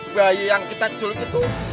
bayi yang kita culuk itu